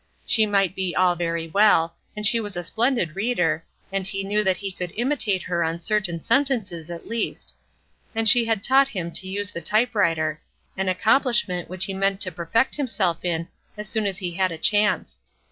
She might be all very well; and she was a splendid reader; and he knew that he could imitate her on certain sentences, at least. And she had taught him to use the type writer an accomplishment which he meant to perfect himself in as soon as he had a chance.